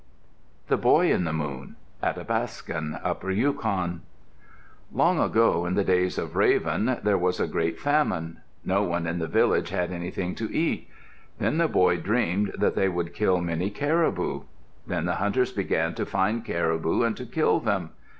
THE BOY IN THE MOON Athapascan (Upper Yukon) Long ago, in the days of Raven, there was a great famine. No one in the village had anything to eat. Then a boy dreamed that they would kill many caribou. Then the hunters began to find caribou and to kill them.